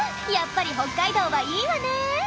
やっぱり北海道はいいわね。